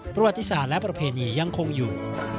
ประวัติศาสตร์และประเพณียังคงอยู่